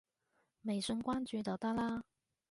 微信關注就得啦